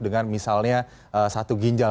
dengan misalnya satu ginjal